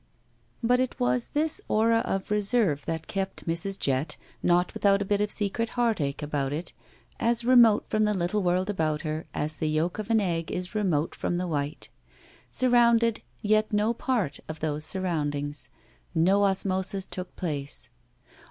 But it was this aura of reserve that kept Mrs. Jett, not without a bit of secret heartache about it, as remote from the little world about her as the yolk of an egg is remote from the white. Surrounded, yet no part of those surroundings. No osmosis took place.